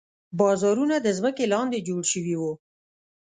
بازارونه د ځمکې لاندې جوړ شوي وو.